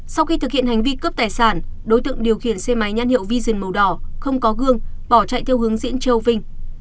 sau khi thực hiện hành vi cướp tài sản đối tượng điều khiển xe máy nhãn hiệu vision màu đỏ không có gương bỏ chạy theo hướng diễn châu vinh